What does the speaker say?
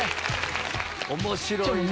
面白いな！